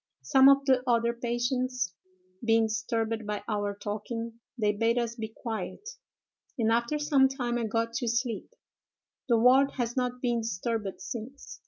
Some of the other patients being disturbed by our talking, they bade us be quiet, and after some time I got to sleep. The ward has not been disturbed since.